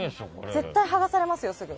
絶対剥がされますよ、すぐ。